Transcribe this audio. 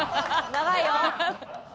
長いよ！